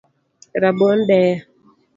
Rabuon deya